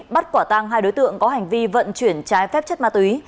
bắt quả tang hai đối tượng có hành vi vận chuyển trái phép chất ma túy